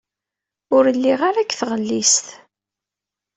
Ur lliɣ ara deg tɣellist.